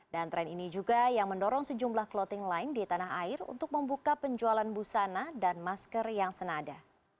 dan tren ini juga yang mendorong sejumlah clothing line di tanah air untuk membuka penjualan busana dan masker yang senada